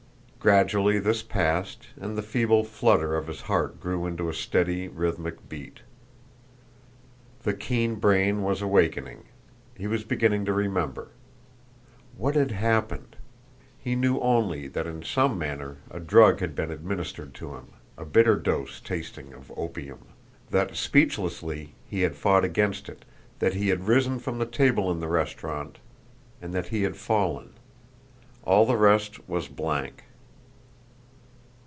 Gradually this passed and the feeble flutter of his heart grew into a steady, rhythmic beat. The keen brain was awakening; he was beginning to remember. What had happened? He knew only that in some manner a drug had been administered to him, a bitter dose tasting of opium; that speechlessly, he had fought against it, that he had risen from the table in the restaurant, and that he had fallen. All the rest was blank.